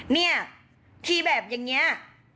เนี่ยที่แบบอย่างนี้